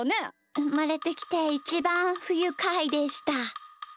うまれてきていちばんふゆかいでした。